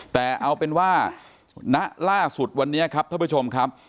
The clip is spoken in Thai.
แต่เอาเป็นว่าณล่าสุดวันนี้ครับท่านผู้ชมครับ